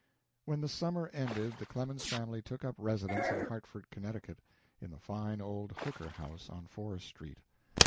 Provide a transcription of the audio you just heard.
When the summer ended the Clemens family took up residence in Hartford, Connecticut, in the fine old Hooker house, on Forest Street.